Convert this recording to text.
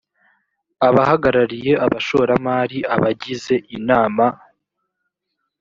abahagarariye abashoramari abagize inama